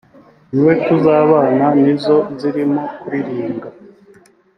niwe tuzabana nizo” zirimo kuririmbwa